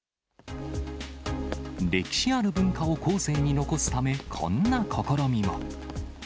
歴史ある文化を後世に残すため、こんな試みも。